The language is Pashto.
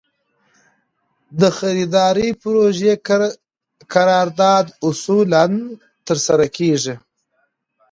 د خریدارۍ پروژې قرارداد اصولاً ترسره کړي.